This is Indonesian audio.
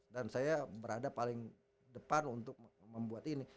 dan saya berada paling depan untuk membuat ini